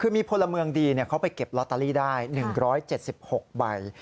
คือมีพลเมืองดีเขาไปเก็บลอตเตอรี่ได้๑๗๖ใบ